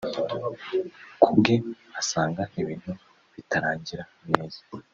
Ku bwe asanga ibintu bitarangira neza